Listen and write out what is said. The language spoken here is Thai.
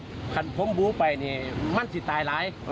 ถ้าขัดผมบูไปนี่มันสิตายหลาย